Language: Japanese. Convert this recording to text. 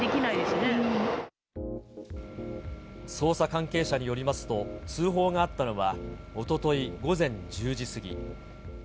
捜査関係者によりますと、通報があったのは、おととい午前１０時過ぎ。